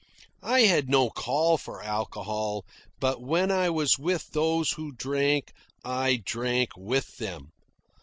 I had no call for alcohol, but when I was with those who drank, I drank with them.